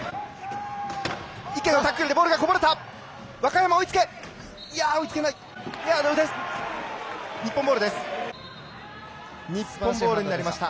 池のタックルでボールがこぼれた。